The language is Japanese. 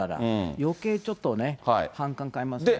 よけいちょっとね、反感買いますよね。